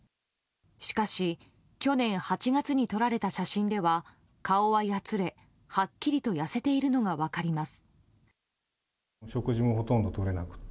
しかし、去年８月に撮られた写真では顔はやつれ、はっきりと痩せているのが分かります。